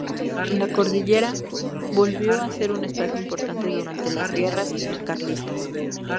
La cordillera volvió a ser un espacio importante durante las guerras carlistas.